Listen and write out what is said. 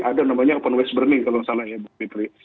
ada namanya open waste burning kalau nggak salah ya bu fitri